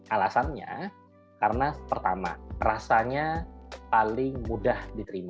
alasannya karena pertama rasanya paling mudah diterima